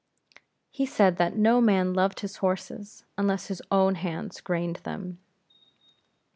He said that no man loved his horses, unless his own hands grained them.